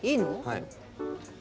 はい。